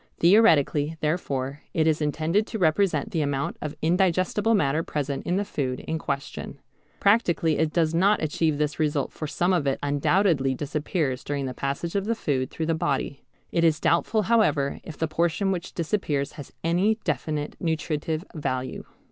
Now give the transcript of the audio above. Theoretically, therefore, it is intended to represent the amount of indigestible matter present in the food in question. Practically it does not achieve this result for some of it undoubtedly disappears during the passage of the food through the body. It is doubtful however if the portion which disappears has any definite nutritive value.